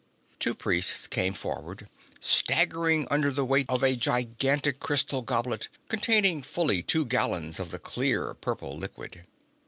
Two priests came forward, staggering under the weight of a gigantic crystal goblet containing fully two gallons of the clear purple liquid.